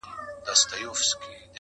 !شپېلۍ!!